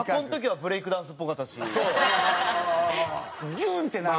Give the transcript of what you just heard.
ギュン！ってなる。